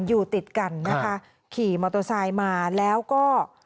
อยู่ติดกันนะคะขี่มอเตอร์ไซค์มาแล้วก็